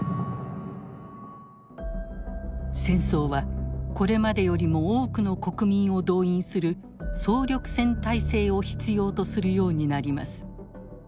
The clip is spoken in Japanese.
戦争はこれまでよりも多くの国民を動員する「総力戦体制」を必要とするようになります。